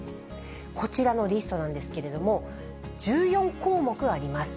こちらのリストなんですけれども、１４項目あります。